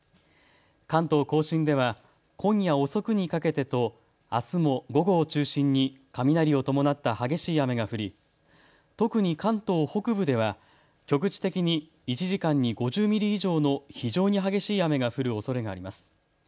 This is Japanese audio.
関東甲信では今夜遅くにかけてと、あすも午後を中心に雷を伴った激しい雨が降り特に関東北部では局地的に１時間に５０ミリ以上の非常に激しい雨が降るおそれがあります。